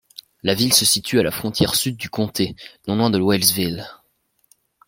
La ville se situe à la frontière sud du comté, non loin de Wellsville.